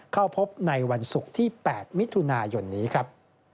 เข้าพบในวันศุกร์ที่๘มิถุนายนนี้ครับ